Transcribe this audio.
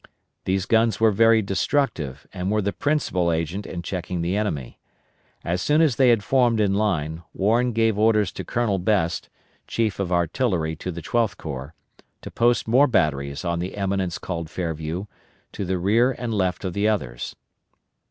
These guns were very destructive, and were the principal agent in checking the enemy. As soon as they had formed in line, Warren gave orders to Colonel Best, Chief of Artillery to the Twelfth Corps, to post more batteries on the eminence called Fairview, to the rear and left of the others.